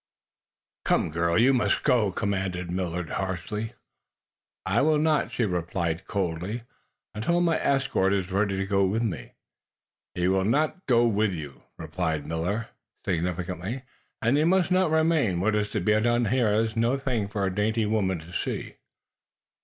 "Come, girl, you must go!" commanded Millard, harshly. "I will not," she replied, coldly, "until my escort is ready to go with me." "He will not go with you," replied Millard, significantly. "And you must not remain. What is to be done here is no thing for a dainty woman to see."